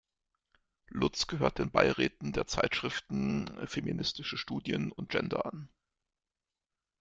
Lutz gehört den Beiräten der Zeitschriften "Feministische Studien" und "Gender" an.